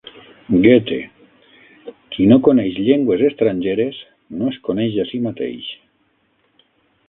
Goethe: qui no coneix llengües estrangeres, no es coneix a si mateix.